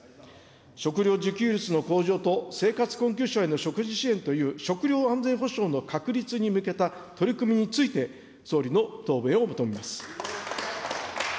食料自給率の向上と生活困窮者への食事支援という食料安全保障の確立に向けた取り組みについて、総理の答弁を求めます。